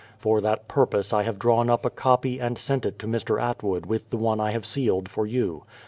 For that purpose I have drawn up a copy and sent it to Mr. Atwood with the one I have sealed for you.